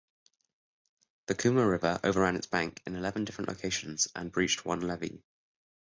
The Kuma River overran its bank in eleven different locations and breached one levee.